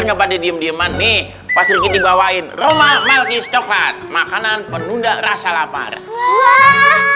nyobat diem diem and nih pasti dibawain roma malkis coklat makanan penunda rasa lapar wah